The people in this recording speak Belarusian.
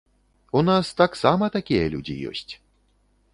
У нас таксама такія людзі ёсць.